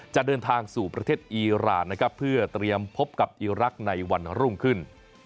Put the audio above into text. จะเดินทางสู่ประเทศอีรานนะครับเพื่อเตรียมพบกับอีรักษ์ในวันรุ่งขึ้น